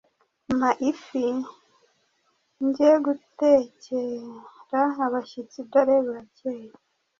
Mpa ifi nge gutekera abashyitsi, dore burakeye